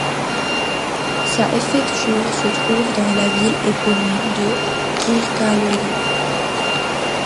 Sa préfecture se trouve dans la ville éponyme de Kırklareli.